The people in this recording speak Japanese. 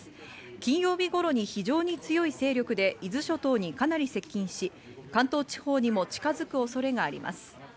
金曜日頃に非常に強い勢力で伊豆諸島にかなり接近し、関東地方にも近づく恐れがあります。